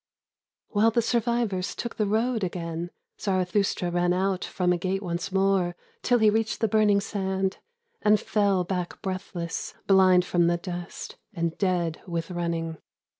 While the survivors took the road again Zarathustra ran out from a gate once more Till he reached the burning sand, And fell back breathless Blind from the dust And dead with running.